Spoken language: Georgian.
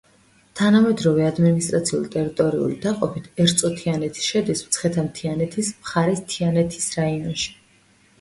თანამედროვე ადმინისტრაციულ-ტერიტორიული დაყოფით ერწო-თიანეთი შედის მცხეთა-მთიანეთის მხარის თიანეთის რაიონში.